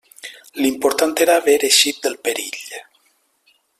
L'important era haver eixit del perill.